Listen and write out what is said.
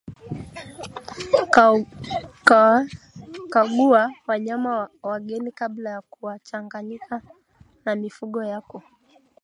Kagua wanyama wageni kabla ya kuwachanganya na mifugo yako